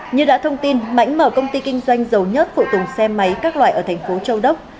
như đã thông tin mãnh mở công ty kinh doanh giàu nhất phụ tùng xe máy các loại ở tp châu đốc